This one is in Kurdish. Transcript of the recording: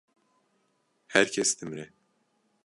Her kes dimire.